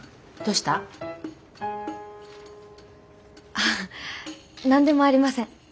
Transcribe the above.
あ何でもありません。